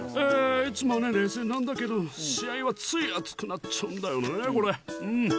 いつもね、冷静なんだけど試合はつい熱くなっちゃうんだよねこれ。